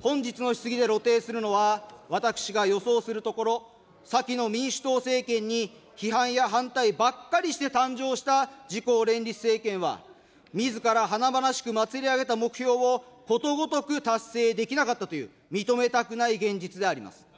本日の質疑で露呈するのは、私が予想するところ、先の民主党政権に批判や反対ばっかりして誕生した自公連立政権は、みずから華々しく祭り上げた目標をことごとく達成できなかったという、認めたくない現実であります。